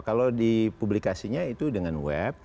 kalau di publikasinya itu dengan web